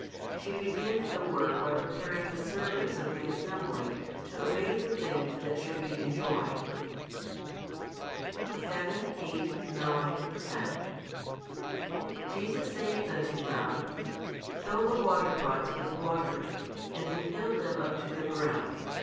She begins the work by preparing the servants of the assembly to obey the things that should be enjoined. 7, 8, 9, 10 Jesus saith unto them, Fill the waterpots with water. And they filled them up to the brim.